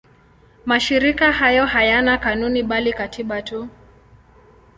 Mashirika hayo hayana kanuni bali katiba tu.